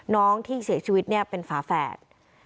น้องที่เสียชีวิตเนี่ยเป็นฝาแฝด